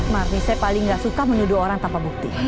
marni saya paling gak suka menuduh orang tanpa bukti